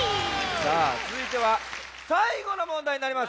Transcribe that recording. さあつづいてはさいごのもんだいになります。